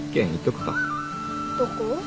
どこ？